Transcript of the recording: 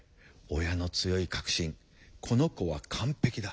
親の強い確信「この子は完璧だ」。